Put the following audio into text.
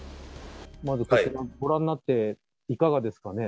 ご覧になっていかがですかね。